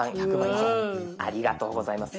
ありがとうございます。